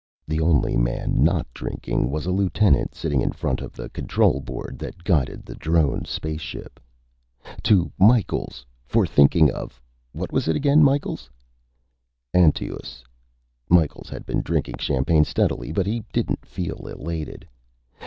The only man not drinking was a lieutenant, sitting in front of the control board that guided the drone spaceship. "To Micheals, for thinking of what was it again, Micheals?" "Antaeus." Micheals had been drinking champagne steadily, but he didn't feel elated.